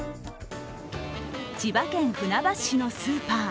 千葉県船橋市のスーパー。